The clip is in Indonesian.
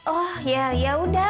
oh ya yaudah